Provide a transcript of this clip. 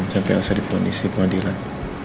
sampai asal di kondisi pengadilan